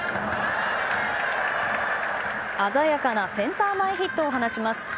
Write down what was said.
鮮やかなセンター前ヒットを放ちます。